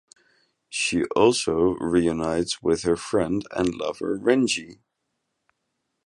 She also reunites with her friend and lover Rangi.